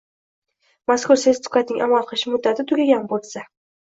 mazkur sertifikatning amal qilish muddati tugagan bo‘lsa;